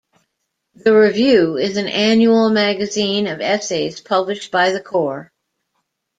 The Review is an annual magazine of essays published by the Corps.